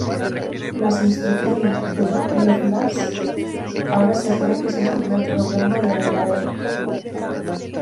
Las instrucciones del Lovelace ahora se cree que es el primer programa de ordenador.